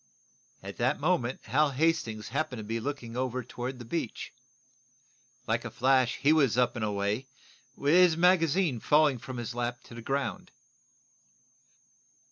At that moment Hal Hastings happened to be looking over toward the beach. Like a flash he was up and away, his magazine falling from his lap to the ground.